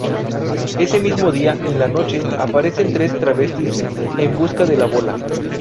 Ese mismo día, en la noche, aparecen tres travestis en busca de la bola.